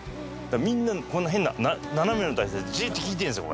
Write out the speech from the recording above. みんなこの変な斜めの体勢でじっと聞いてるんですよ